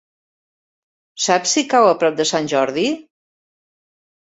Saps si cau a prop de Sant Jordi?